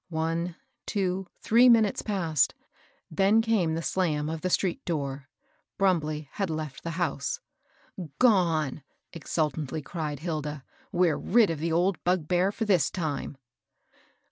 One, two, three minutes passed ; then came the slam of the street door. Brumbley had left the house.. " Gone," exultingly cried Hilda. We're rid of the old bugbear for this time."